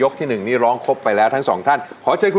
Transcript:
เดินผู้สะอาว